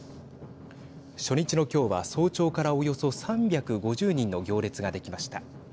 初日の今日は早朝から、およそ３５０人の行列が出来ました。